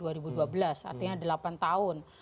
artinya delapan tahun